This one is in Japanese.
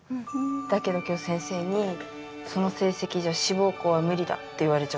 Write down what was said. だけど今日先生にその成績じゃ志望校は無理だって言われちゃったよ。